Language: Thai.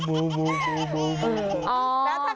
ฮ่าฮ่าฮ่าฮ่าฮ่าฮ่าฮ่าฮ่า